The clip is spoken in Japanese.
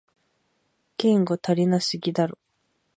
言語足りなすぎだろ